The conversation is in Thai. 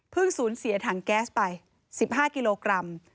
เพิ่งศูนย์เสียถังแก๊สไป๑๕กิโลกรัม